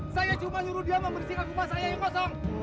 saya cuma suruh dia membersihkan rumah saya yang kosong